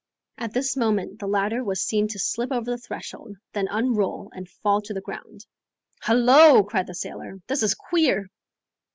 At this moment the ladder was seen to slip over the threshold, then unroll and fall to the ground. "Hullo!" cried the sailor, "this is queer!"